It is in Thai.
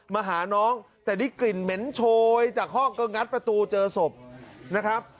มาหาน้องแต่ได้กลิ่นเหม็นโชยจากห้องก็งัดประตูเจอศพนะครับ